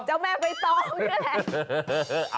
เจ้าแม่ใบตองนี่แหละ